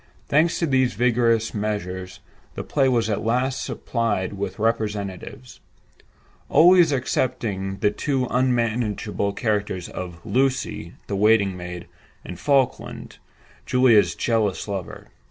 Thanks to these vigorous measures, the play was at last supplied with representatives—always excepting the two unmanageable characters of "Lucy" the waiting maid, and "Falkland," Julia's jealous lover.